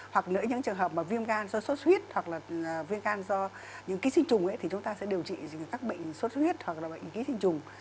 hoặc nữa những trường hợp mà viêm gan do sốt huyết hoặc là viêm gan do những ký sinh trùng ấy thì chúng ta sẽ điều trị các bệnh sốt xuất huyết hoặc là bệnh ký sinh trùng